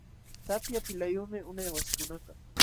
Tapya pilqayumi unay wasikunakaq.